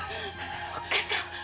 おっ母さん。